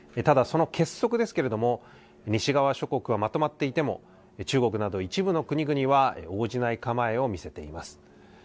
ただ、その結束ですけれども、西側諸国はまとまっていても、中国など一部の国々は応じない構えを見せています。